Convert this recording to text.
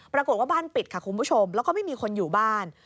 ปรากฏว่าบ้านปิดค่ะคุณผู้ชมแล้วก็ไม่มีคนอยู่บ้าน